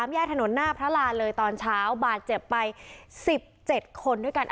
แยกถนนหน้าพระรานเลยตอนเช้าบาดเจ็บไป๑๗คนด้วยกัน